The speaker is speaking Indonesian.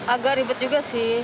agak ribet juga sih